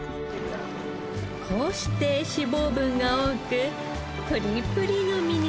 こうして脂肪分が多くプリプリの身になるのです。